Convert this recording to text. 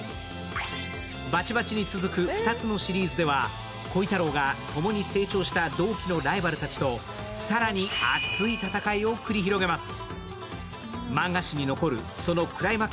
「バチバチ」に続く２つのシリーズでは鯉太郎がともに成長した同期のライバルたちと、更に熱い戦いを繰り広げます。